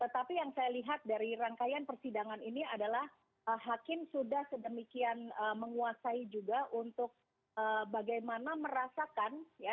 tapi yang saya lihat dari rangkaian persidangan ini adalah hakim sudah sedemikian menguasai juga untuk bagaimana merasakan ya